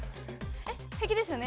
えっ平気ですよね？